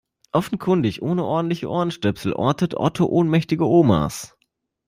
Offenkundig ohne ordentliche Ohrenstöpsel ortet Otto ohnmächtige Omas.